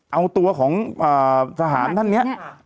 เอาตัวของทหารท่านเนี่ย